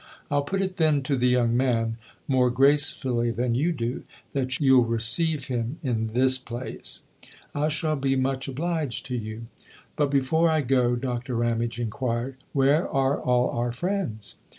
I'll put it then to the young man more gracefully than you do that you'll receive him in this place." " I shall be much obliged to you." "But before I go," Doctor Ramage inquired, " where are all our friends